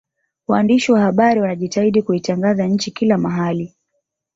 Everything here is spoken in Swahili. waandishi wa habari wanajitahidi kuitangaza nchi kila mahali